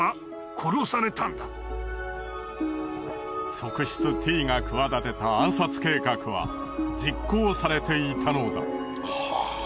側室ティイが企てた暗殺計画は実行されていたのだ。